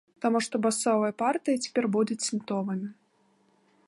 Таму што басовыя партыі цяпер будуць сінтовымі.